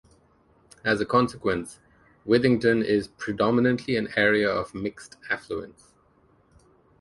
As a consequence, Withington is predominantly an area of mixed affluence.